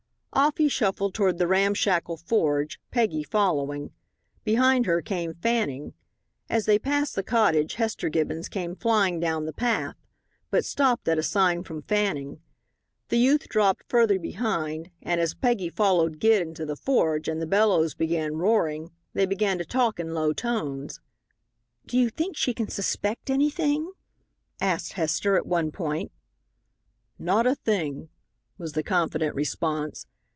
Off he shuffled toward the ramshackle forge, Peggy following. Behind her came Fanning. As they passed the cottage Hester Gibbons came flying down the path, but stopped at a sign from Fanning. The youth dropped further behind, and as Peggy followed Gid into the forge and the bellows began roaring, they began to talk in low tones. "Do you think she can suspect anything?" asked Hester at one point. "Not a thing," was the confident response.